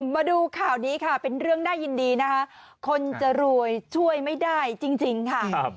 มาดูข่าวนี้ค่ะเป็นเรื่องน่ายินดีนะคะคนจะรวยช่วยไม่ได้จริงค่ะ